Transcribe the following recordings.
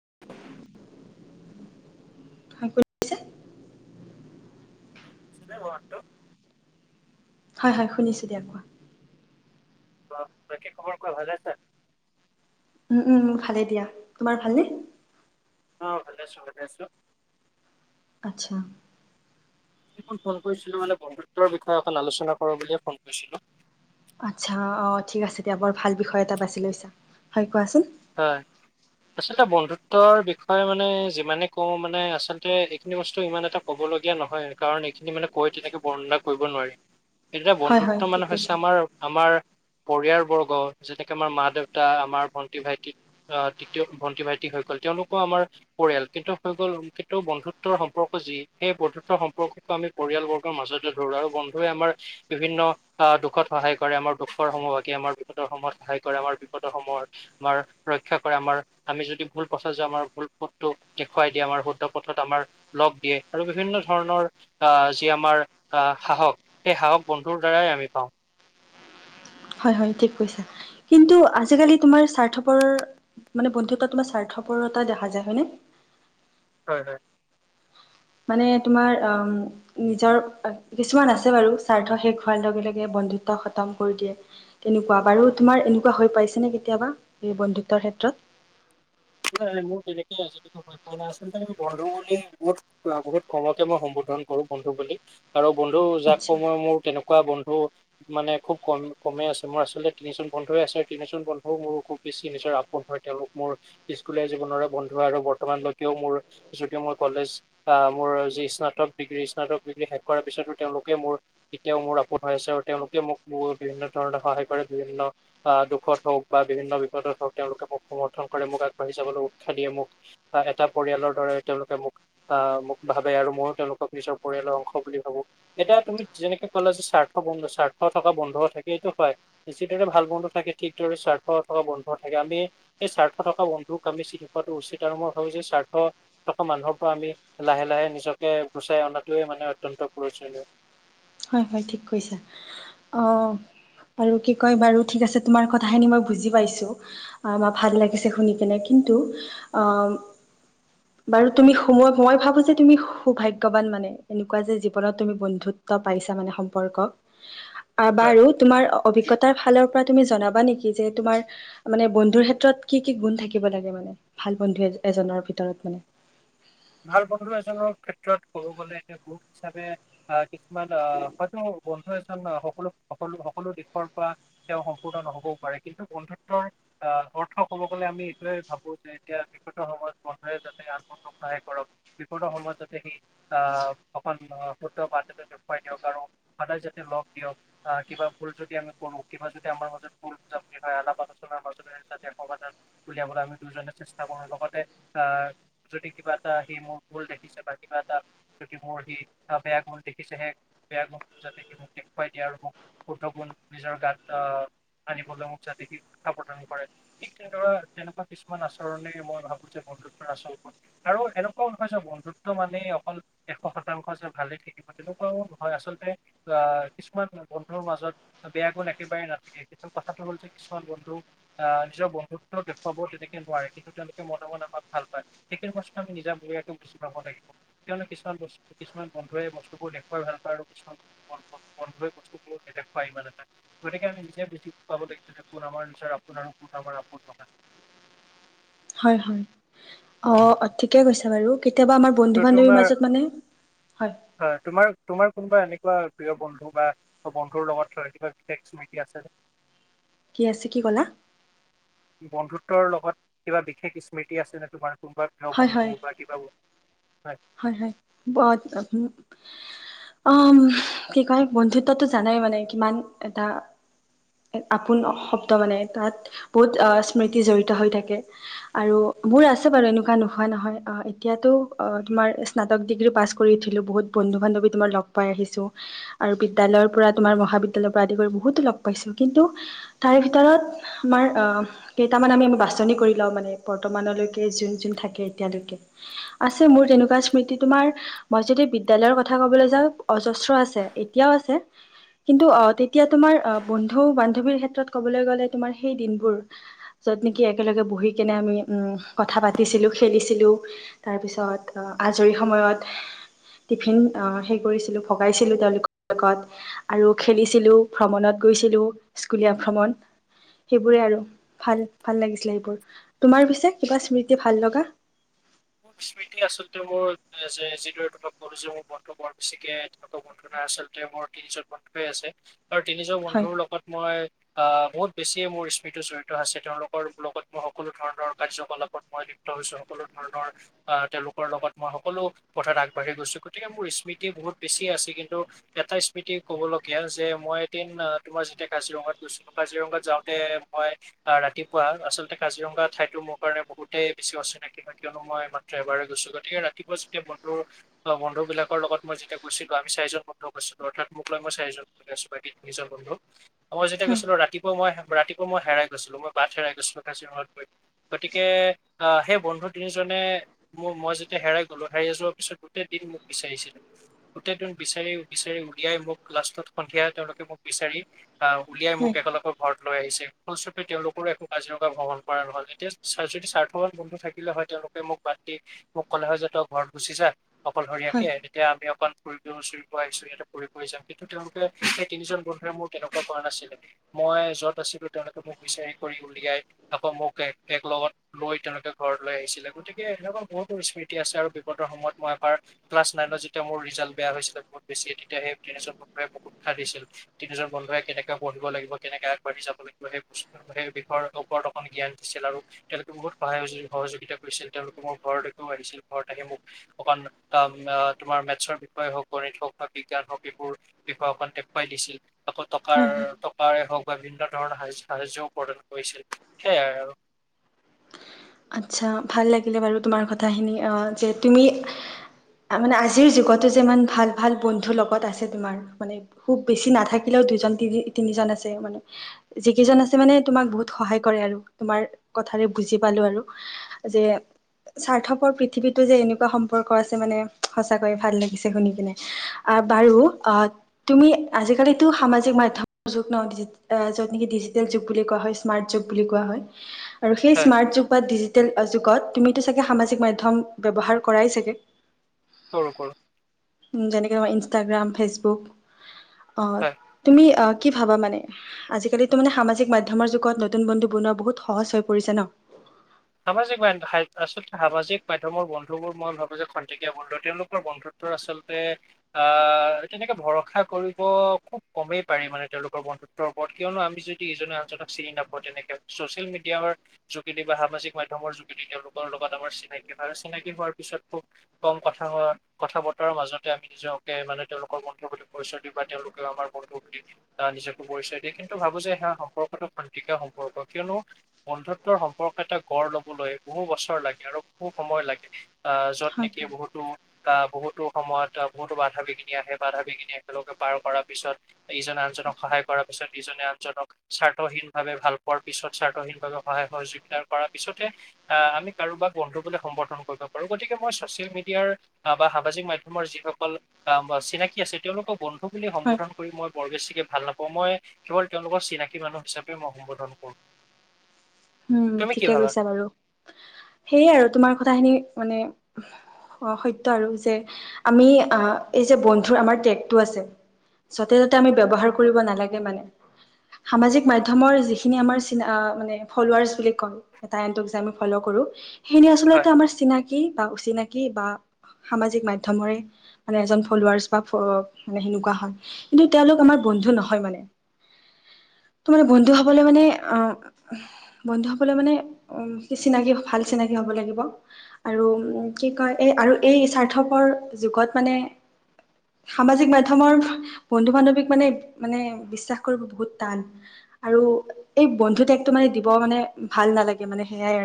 [inaudible] হ কৰিছে [unintelligible] [unintelligible] [inaudible] হয় হয় শুনিছোঁ দিয়া কোৱা। অ বাকী খবৰ কোৱা ভালে আছা? উম উম ভালে দিয়া। তোমাৰ ভালনে? অ ভাল আছো ভালে আছো। আতচ্ছা। ফোন কৰিছিলো মানে বন্ধুত্বৰ বিষয়ে অকন আলোচনা কৰো বুলিয়ে ফোন কৰিছিলো। আতচ্ছা অ ঠিক আছে দিয়া বৰ ভাল বিষয় এটা বাছি লৈছা। হয় কোৱাচোন। হয়। আচলতে বন্ধুত্বৰ বিষয়ে মানে যিমানে কওঁ মানে আচলতে, এইখিনি বস্তু ইমান এটা ক'ব, কবলগীয়া নহয়, কাৰণ এইখিনি মানে কৈ তেনেকে বৰ্ণনা কৰিব নোৱাৰি। এইকেইটা হয় বন্ধুত্ব হয় মানে ঠিক হৈছে কৈছা আমাৰ আমাৰ, পৰিয়াল বৰ্গ যেনেকে আমাৰ মা দেউতা, আমাৰ। ভি ভাইটি আহ তৃতীয় ভন্টি ভাইটি হৈ গল। তেওঁলোকৰ আমাৰ পৰিয়াল। কিন্তু হৈ গ'ল কেতিয়াও বন্ধু। বন্ধুত্বৰ সম্পৰ্ক যি সেই বন্ধুত্বৰ সম্পৰ্কটো আমি পৰিয়ালবৰ্গৰ মাজতে ধৰো আৰু বন্ধুৱে আমাৰ বিভিন্ন দুখত সহায় কৰে আমাৰ দুখৰ সমভাগী আমাৰ বিপদৰ সময়ত সহায় কৰে আমাৰ বিপদৰ সময়ত। আমাৰ ৰক্ষা কৰে আমাৰ আমি যদি ভুল পথত যাওঁ আমাৰ ভুল পথটো দেখুৱাই দিয়ে আমাৰ শুদ্ধ পথ আমাৰ লগ দিয়ে আৰু বিভিন্ন ধৰণৰ আহ যি আমাৰ আহ সাহস, সেই সাহস। বন্ধুৰ দ্বাৰাই আমি পাওঁ। হয় হয় ঠিক কৈছা। কিন্তু আজিকালি তোমাৰ স্বাৰ্থপৰ মানে বন্ধুত্ব তোমাৰ স্বাৰ্থ - সফলতা দেখা যায় হয় নে? হয় হয়। মানে তোমাৰ অ নিজৰ কিছুমান আছে বাৰু স্বাৰ্থ শেষ হোৱাৰ লগে লগে, বন্ধুত্ব খতম কৰি দিয়ে। তেনেকুৱা বাৰু তোমাৰ এনেকুৱা হৈ পাইছে নে কেতিয়াবা এই বন্ধুত্বৰ ক্ষেত্ৰত? নাই নাই মোৰ তেনেকে আজিলৈকে হৈ পোৱা নাই আচলতে বন্ধু বুলি বহুত বহুত কমকে মই সম ন কৰো বন্ধু বুলি আৰু বন্ধু যাক আচ্ছা সময় মোৰ কেনেকুৱা বন্ধু,। মানে খুব কম কমে আছে। মোৰ আচলতে তিনিজন বন্ধুয়ে আছে আৰু তিনিজন বন্ধুও মোৰো খুব বেছি নিজৰ আপোন হয়। তেওঁলোক মোৰ,। স্কুলীয়া জীৱনৰে বন্ধু আৰু বৰ্তমানলৈকেও মোৰ যদিও মোৰ কলেজ, মোৰ যি স্নক - ডিগ্ৰী স্নাতক ডিগ্ৰী শেষ কৰাৰ পিছতো তেওঁলোকে মোৰ এতিয়াও মোৰ আপোন হৈ আছে। আৰু তেওঁলোকে মোক মোৰ বি - ধৰণে সহায় কৰে বিভিন্ন আহ দুখত হওক বা বিভিন্ন বিপদত হওক তেওঁলোকে মোক সমৰ্থন কৰে, মোক আগ বাঢ়ি যাবলৈ উৎসাহ দিয়ে মোক, এটা পৰিয়ালৰ দৰে তেওঁলোকে মোক আহ মোক ভাবে আৰু ময়ো তেওঁলোকক নিজৰ পৰিয়ালৰ অংশ বুলি ভাবো, এতিয়া তুমি যেনেকে ক'লা যে স্বাৰ্থ বন্ধু স্বাৰ্থ থকা বন্ধুও থাকে। সেইটো হয় যিদৰে ভাল বন্ধু থাকে, ঠিকদৰে স্বাৰ্থ থকা বন্ধুও থাকে আমি এই স্বাৰ্থ থকা বন্ধু,। তোক আমি চিনি পোৱাটো উচিত আৰু মই ভাবো যে স্বাৰ্থ থকা মানুহৰ পৰা আমি লাহে লাহে নিজকে গো চাই অনাটোৱে মানে অত্যন্ত প্ৰয়োজনীয়। হয় হয় ঠিক কৈছা। অঁ। আৰু কি কয় বাৰু ঠিক আছে। তোমাৰ কথাখিনি মই বুজি পাইছো, ম ভাল লাগিছে শুনি কিনে। কিন্তু, কিন্তু, হ বাৰু তুমি সোমোৱা মই ভাবো যে তুমি সুভাগ্যৱান মানে, এনেকুৱা যে জীৱনত তুমি বন্ধুত্ব পাইছা মানে সম্পৰ্ক। আহ হয় বাৰু তোমাৰ অভিজ্ঞতা। তাৰ ফালৰ পৰা তুমি জনাবা নেকি যে, তোমাৰ মানে বন্ধুৰ ক্ষেত্ৰত কি কি গুণ থাকিব লাগে মানে? ভাল বন্ধু এজনৰ ভিতৰত মানে। [inaudible] ভাল বন্ধু এজনৰ ক্ষেত্ৰত কব গলে এতিয়া গুণ হিচাপে আহ কিছুমান আহ হয়তো। বন্ধু এজন সকলো স সকলো দিশৰ পৰা তেওঁ সম্পূৰ্ণ নহবও পাৰে কিন্তু বন্ধুত্বৰ আহ অৰ্থ কব গলে আমি এইটোয়ে ভাবো যে এতিয়া বিপদৰ সময়ত বন্ধুয়ে যাতে আনন্দ সহায় কৰক বিপদৰ সময়ত যাতে সি আহ অকন শুদ্ধ বাট এটা দেখুৱাই দিয়ক আৰু সদায় যাতে লগ দিয়ক। আহ কিবা ভুল যদি আমি কৰো কিবা যদি আমাৰ মাজত ভুল বুজবুজিৰ হয় আমাৰ মাজতে যাতে সমাধান উলিয়াবলৈ আমি দুজনে চেষ্টা কৰো লগতে আহ যদি কিবা এটা সি মোৰ ভূল দেখিছে বা কিবা এটা যদি মোৰ সি বেয়া গুণ দেখিছে। সেই বেয়া গুণ যাতে কি মোক দেখুৱাই দিয়ে আৰু মোক শুদ্ধ গুণ নিজৰ গাত আহ- আানিব মুঠা দেখি খাপতানি কৰা [unintelligible] ঠিক তেনেদৰা তেনেকুৱা কিছুমান আচৰণে মই ভাবো যে বন্ধুত্বৰ আচল গুণ। আৰু এনেকুৱাও নহয় যে বন্ধুত্ব মানেই অকল এশ শতাংশ যে ভালে থাকিব তেনেকুৱাও নহয়। আচলতে কিছুমান বন্ধুৰ মাজত বেয়া গুন একেবাৰে নাথাকে কিন্তু কথাটো হ'ল যে কিছুমান বন্ধুৱে। আহ নিজৰ বন্ধুত্ব দেখুৱাব তেনেকে নোৱাৰে, কিন্তু তেওঁলোকে মনে মনে আমাক ভাল পায় সেইখিনি বস্ত আমি নিজাববিয়াকে বুজি পাব লাগিব। তেওঁলোক কিমান বস্তু কিছুমান বন্ধুৱে বস্তু বোৰ দেখুৱাই ভাল পায়, আৰু কিছুমান বন্ধ বস্তুবোৰ নেদেখুৱাই ইমান এটা গতিকে আমি নিজে বুজি পাব লাগিব যোন আমাৰ। আপোনাৰ কুন আমাৰ আপোন নহয়। হয় হয় অ ঠিকে কৈছে বাৰু কেতিয়াবা আমাৰ বন্ধু ত' বান্ধৱীৰ তোমাৰ মাজত মানে হয়। হয় তোমাৰ তোমাৰ কোনোবা এনেকুৱা প্ৰিয় বন্ধু বা বন্ধুৰ লগত কিবা বিশষ স্মৃতি আছে [unintelligible] কি আছে কি ক'লা? বন্ধুত্বৰ লগত কিবা বিশেষ স্মৃতি আছে নে তোমাৰ? হয় হয় [unintelligible] হয় হয় ব অ কি কয় বন্ধুত্বতো জানাই মানে কিমান এটা আপোন শব্দ মানে তাত বহুত স্মৃতি জড়িত হৈ থাকে আৰু মোৰ আছে বাৰু এনেকুৱা নোহোৱা নহয় অ এতিয়াতো অ তোমাৰ স্নাতক ডিগ্ৰী পাছ কৰি উঠিলোঁ বহুত বন্ধু বান্ধৱী তোমাৰ লগ পাই আহিছোঁ আৰু বিদ্যালয়ৰ পৰা এতিয়া তোমাৰ মহাবিদ্যালয় পৰা আদি কৰি বহুতো লগ পাইছোঁ কিন্তু তাৰ ভিতৰত আমাৰ কেইটামান আমি বাছনি কৰি লও মানে বৰ্তমানলৈকে যোন যোন থাকে এতিয়ালৈকে আছে মোৰ তেনেকুৱা স্মৃতি তোমাৰ মই যদি বিদ্যালয়ৰ কথা ক'বলৈ যাওঁ অজস্ৰ আছে এতিয়াও আছে। কিন্তু অহ তেতিয়া তোমাৰ আহ বন্ধু বান্ধৱীৰ ক্ষেত্ৰত ক'বলৈ গ'লে তোমাৰ সেই দিনবোৰ। য'ত নেকি একেলগে বহি কেনে আমি কথা পাতিছিলোঁ খেলিছিলোঁ তাৰপিছত। আজৰি সময়ত টিফিন সেই কৰিছিলো ভগাইছিলো তেওঁলোকৰ লগত আৰু খেলিছিলো ভ্ৰমণত গৈছিলোঁ স্কুলীয়া ভ্ৰমণ। সেইবোৰে আৰু ভাল ভাল লাগিছিলে এইবোৰ তোমাৰ পিছে কিবা স্মৃতি ভাল লগা। [inaudible] মোৰ স্মৃতি আচলতে মোৰ যে যিদৰে তোমাক কলোঁ যে মোৰ মনটো বৰ বেছিকে তেনেকুৱা বন্ধো নাই আচলতে মোৰ তিনিজন বন্ধুৱে আছে আৰু তিনিজন হয় বন্ধুৰ লগত মই। আহ বহুত বেছিয়ে মোৰ স্মৃতি জড়িত আছে তেওঁলোকৰ লগত মই সকলো ধৰণৰ কাৰ্যকলাপত মই লিপ্ত। হৈছো সকলো। ধৰণৰ আহ তেওঁলোকৰ লগত মই সকলো কথাত আগবাঢ়ি গৈছো গতিকে মোৰ স্মৃতি বহুত বেছি আছিল। কিন্তু এটা স্মৃতি ক'বলগীয়া যে মই এদিন তোমাৰ যেতিয়া কাজিৰঙাত গৈছোঁ কাজিৰঙাত য- তে মই ৰাতিপুৱা আচলতে কাজিৰঙা থাইতো মোৰ কাৰণে বহুতেই বেছি অচিনাকি হয়। কিয়নো মই মাত্ৰ এবাৰে গৈছোঁ গতিকে ৰাতিপুৱা যেতিয়া বন্ধু বন্ধু বিলাকৰ লগত মই যেতিয়া গৈছিলোঁ আমি। চাৰিজন বন্ধুক আছিলোঁ অৰ্থাৎ মোক লৈ মই চাৰিজন বন্ধু আছোঁ বাকী তিনিজন বন্ধু। মই যেতিয়া হয় গৈছিলো ৰাপুৱা মই ৰাতিপুৱা মই হেৰাই গৈছিলো মই বাট হেৰাই গৈছিলো কাজিৰঙাত গৈ গতিকে আহ সেই বন্ধুত জনে মোৰ মই যেতিয়া হেৰাই গ'লো হেৰাাই যোৱাৰ পিছত গোটেই দিন মোক বিচাৰিছিল গোটেই দিন বিচাৰি বিচাৰি উলিয়াই মোক লাষ্টত সন্ধিয়া তেওঁলোকে মোক বিচাৰি অহ উলিয়াই মোক হয় একেলগৰ ঘৰত। লৈ আহিছে ফলস্বৰূপে তেওঁলোকৰো একো কাজিৰঙা ভ্ৰমণ কৰা নহ'ল এতিয়া যদি স্বাৰ্থৱান বন্ধু থাকে। থাকিলে হয় তেওঁলোকে মোক বাদ দি মোক ক'লে হয়। যে তই ঘৰত গুচি যা অকলশৰীয়াকে হয় তেতিয়া আমি অকণ- আহিছোঁ ইয়াতে ফুৰিব আহিছো যাম কিন্তু তেওঁলোকে সেই তিনিজন বন্ধুৰে মোৰ তেনেকুৱা কৰা নাছিলে। মই যত আছিলো তেওঁলোকে মোক বিচাৰি কৰি উলিয়াই আকৌ মোক এক লগত লৈ তেওঁলোকে ঘৰ লৈ আহিছিলে গতিকে এনেকুৱা বহুতো স্মৃতি আছে আৰু বিপতৰ সময়ত মই এবাৰ ক্লাছ নাইনত যেতিয়া মোৰ। বেয়া হৈ বহুত বেছি তেতিয়া সেই তিনি বন্ধুৱে বহু উৎসাহ দিছিল তিনিজজন বন্ধুৱে কেনেকে পঢ়িব লাগিব কেনেকে আগবাঢ়ি যাব লাগিব সেই বস্তু সেই বিষয়ৰ ওপৰত অকন জ্ঞান দিছিল আৰু তেওঁলোকে বহুত সহায় সহযোগিতা কৰিছিল তেওঁলোকে মোৰ ঘৰৰতেও আহিছিল ঘৰৰত আহে মোক অকমান অ তোমাৰ মেথছৰ হই হওক গণিত হক বা বিজ্ঞান হক এবোৰ বিষয়ক দেখুৱাই দিছিল। আকৌ টকাৰ হয় হয় টকাৰে হওক বা বিভিন্ন ধৰণৰ স সাহা্যও প্ৰদান কৰিছিল সেইয়াই আৰু আচ্ছা ভাল লাগিলে বাৰু তোমাৰ কথাখিনি যে তুমি। মানে আজিৰ যুগতো যে ইমান ভাল ভাল বন্ধু লগত আছে তোমাৰ মানে খুব বেছি নাথাকিলেও। দুজন তিনি তিনিজন আছে মানে যিকেইজন আছে মানে তোমাক বহুত সহায় কৰে আৰু তোমাৰ কথাৰে বুজি পালোঁ আৰু যে। স্বাৰ্থপৰ পৃথিৱীতো যে এনেকুৱা সম্পৰ্ক আছে মানে সঁচাকৈয়ে ভাল লাগিছে শুনি পিনে। বাৰু তুমি আজি কালিতো সামাজিক মাধ্যমৰ যুগ ন য'ত নেকি ডি বুলি কোৱা হয় ইচমাৰ্ত যোগ বুলি কোৱা হয় আৰু সেই হয় ইচমাৰ্ত যোগ। ডিজিটেল যুগত তুমিতো চাগে সামাজিক মাধ্যম ব্যৱহাৰ কৰাই চাগে? কৰো কৰো। যেনেকে তোমাৰ ইনষ্টাগ্ৰাম ফেচবুক অ হয়। তুমি কি ভাবা মানে আজিকালিতো মানে সামাজিক মাধ্যমৰ যুগত নতুন বন্ধু বনোৱা বহুত সহজ হৈ পৰিছে ন। সামাজিক মাধ্য আচলতে সামাজিক মাধ্যমৰ বন্ধুবোৰ মই ভাবোঁ যে খটেকীয়া বন্ধু তেওঁলোকৰ বন্ধুত। আচলতে আহ তেনেকে ভৰসা কৰিব খুব কমেই পাৰি মানে তেওঁলোকৰ মন- ৰ ওপৰত কিয়নো আমি যদি ইজনে আনজনক চিনি নাপাওঁ তেনেকে চচিয়েল মিডিয়াৰ যোগেদি বা সামাজিক। মাধ্যমৰ যোগেদি তেওঁলোকৰ লগত আমাৰ চিনাকি হয় আৰু চিনাকি হোৱাৰ পিছত খুব কম কথা মাজতে আমি নিজকে মানে তেওঁলোকৰ বন্ধুৰ প্ৰতি পৰিচয় দিওঁ বা তেওঁলোকও আমাৰ বন্ধুৰ প্ৰতি আহ নিজে কৰিছে দিয়ে কিন্তু ভাবোঁ যে সেয়া সম্পৰ্কটো খন্তেকীয়া সম্পৰ্ক কিয়নো বন্ধুত্বৰ সম্পৰ্ক এটা - গঢ় লবলৈ বহু বছৰ লাগে আৰু বহু সময় লাগে আহ য'ত হয় নেকি হয় বহুতো- আহ বহুতো সময়ত বহুতো বাধা বিঘিনি আহে। বাধা বিঘিনি একেলগে পাৰ কৰাৰ পিছত ইজন আনজন- সহায় কৰাৰ পিছত ইজনে আনজনক স্বাৰ্থহীন ভাৱে ভাল পোৱাৰ পিছত স্বাৰ্থহীন ভাৱে সহায় সহযোগিতাৰ কৰাত- পিছতে আমি কাৰোবাক বন্ধু বোলে সম্বৰ্ধন কৰিব পাৰোঁ গতিকে মই চচিয়েল মিডিয়াৰ বা‌ সামাজিক - সাজিক মাধ্যমৰ যিসকল চিনাকি আছে তেওঁলোকৰ বন্ধু বুলি হয় সম্বোধন কৰি মই বৰ বেছিকে ভাল নাপাওঁ। মই কেৱল তেওঁলোকৰ চিনাকী মানুহ হিচাপে মই সম্বোধন কৰো। উম তুমি কি ঠিকে ভাবা? কৈছা বাৰু সেইয়ে আৰু তোমাৰ কথাখিনি মানে- সত্য আৰু যে আমি আহ এই যে বন্ধুৰ আমাৰ টেগটো আছে। যতে ততে আমি ব্যৱহাৰ কৰিব নালাগে মানে- সামাজিক মাধ্যমৰ যিখিনি আমাৰ চিনা মানে। ফলওৱাৰ্চ বুলি কয় এটাই আন এটাক যে ফলও কৰোঁ সেইখিনি হয়, আচলতে আমাৰ চিনাকি। কি বা অচিনাকি বা। সামাজিক মাধ্যমৰে মানে এজন ফলওৱাৰ্চ বা মানে সেনেকুৱা হয় কিন্তু তেওঁলোক আমাৰ। বন্ধু নহয় মানে- [unintelligible] [inaudible] তোমাৰ বন্ধু হ'বলৈ মানে আহ। বন্ধুসকলে মানে কি, চিনাকি ভাল চিনাকি হ'ব লাগিব আৰু কি কয় এই। আৰু এই স্বাৰ্থপৰ যুগত মানে- সামাজিক মাধ্যমৰ বন্ধু বান্ধৱীক মানে মানে বিশ্বাস কৰিব বহুত টান। আৰু এই বন্ধুতে। দিব মানে ভাল নালাগে মানে সেয়াই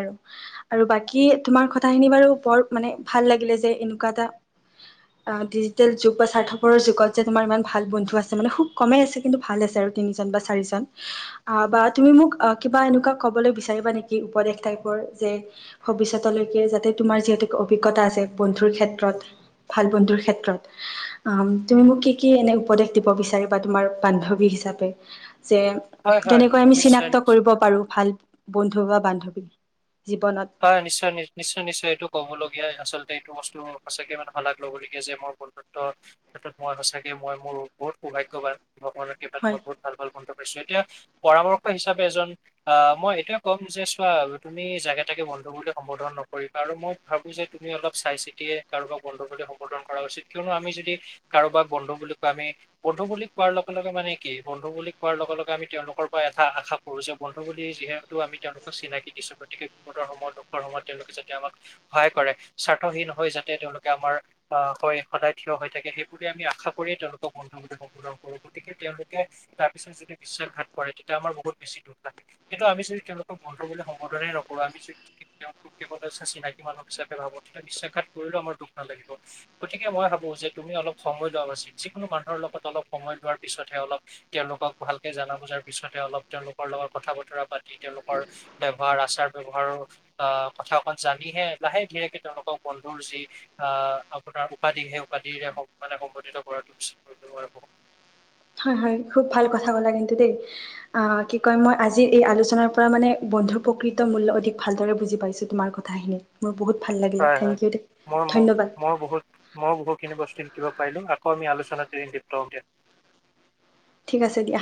আৰু বাকী তোমাৰ কথাখিনি বৰ- মানে ভাল লাগিলে যে এনেকুৱা এটা। অ ডিজিটেল যুগ বা স্বাৰ্থপোৰৰ যুগত যে তোমাৰ ইমান ভাল বন্ধু আছে মানে খুব কমেই আছে কিন্তু ভাল আছে আৰু- আৰু তিন জন বা চাৰিজন। বা তুমি মোক অ- কিবা এনেকুৱা কবলৈ বিচাৰিবা নেকি উপদেশ টাইপৰ যে ভৱিষ্যতলৈকে যাতে তোমাৰ যিহেতু- অভিজ্ঞতা আছে বন্ধুৰ ক্ষেত্ৰত- ভাল বন্ধুৰ ক্ষেত্ৰত অ তুমি মোক কি কি এনে উপদেশ দিব বিচাৰিবা তোমাৰ বান্ধৱী- যে হয়, হয়, কেনেকৈ আমি নিশ্চয়, চিনাক্ত- নিশ্চয়। কৰিব পাৰো ভাল বন্ধু বা বান্ধৱী। জীৱনত হয় নিশ্চয় নি নিশ্চয় নিশ্চয় এইটো কবলগীয়াই আচলতে- এইটো বস্তু সঁচাকে মানে শলাগ ল'বলগে যে মোৰ বন্ধুত্ব ক্ষেত্ৰত মই সঁচাকে মই মোৰ বহুত- সৌভাগ্যবান ভগবানৰ কৃপাত মোৰ হয় বহুত বহুত ভাল ভাল বন্ধু এতিয়া পৰামৰ্শ হিচাপে এজন আহ মই এইটোয়ে ক'ব বিচাৰিছোঁ তুমি জেগাত- তাকে বন্ধু বুলি সম্বৰ্ধন নকৰি আৰু মই ভাবো যে তুমি অলপ চাই চিতিয়ে কাৰোবাক বন্ধু বুলি সম্বৰ্ধন কৰা। কিয়নো আমি যদি কাৰোবাক বন্ধু বুলি কোৱা আমি বন্ধু বুলি কোৱাৰ লগে লগে মানে কি বন্ধু বুলি কোৱা লগে লগে আমি তেওঁলোকৰ পৰা এটা আশা কৰো। যে বন্ধু বুলি যিহেতু আমি তেওঁলোকক চিনাকি দিছোঁ গতিকে। সুখৰ সময়ত দুখৰ সময়ত তেওঁলোকে যাতে আমাক সহায় কৰে স্বাৰ্থহীন হৈ যাতে তেওঁলোকে আমাৰ আহ সদায় থিয় হৈ থাকে সেইবুলি আমি আশা কৰি তেওঁলোক বন্ধুৱ সম্বোধন কৰো গতিকে তেওঁলোকে তাৰ পিছত যদি বিশ্বাসঘাত কৰে তেতিয়া আমাৰ বহুত বেছি দুখ লাগে কিন্তু আমি যদি তেওঁলোকক বন্ধু বুলি সম্বোধনে নকৰোঁ পৰা আমি যদি তেওঁলোকক কেৱল চিনাকী মানুহ হিচাপে ভাবো তেতিয়া বিশ্বাসঘাত কৰিলেও আমাৰ দুখ নালাগিব গতিকে মই ভাবো যে তুমি অলপ সময় লোৱা উচিত যিকোনো মানুহৰ লগত অলপ সময় লোৱাৰ পিছতহে অলপ তেওঁ লোকক ভালকে জানা বুজাৰ পিছত অলপ তেওঁলোকৰ লগত কথা বতৰা পাতি তেওঁলোকৰ ব্যৱহাৰ আচাৰ ব্যয়ৱহাৰ আহ কথা অকণ জানিহে লাহে ধীৰেকে তেওঁলোকক বন্ধুৰ যি আহ আ পৰা উপাধি সেই উপাধিৰে মানে সংঘটিত কৰাটো উচিত কৰিব নোৱাৰিব হয় হয় খুব ভাল কথা ক'লা কিন্তু দেই আহ কি কয় মই আজি এই আলোচনাৰ পৰা মানে বন্ধুৰ প্ৰকৃত মূল্য অধিক ভালদৰে বুজি পাইছো তোমাৰ কথাখিনি মোৰ বহুত ভাল লাগিলে হয় থেংক হয় ইউ দেই, মই ম ধন্যবাদ মই বহুত মই বহুত কেনে বস্তিন কিবা পাৰিলোঁ আকৌ আমি আলোচনাততে বিহিন দেলিপ্ত হয় দিয় ঠিক আছে দিয়া